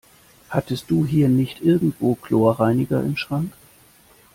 Hattest du hier nicht irgendwo Chlorreiniger im Schrank?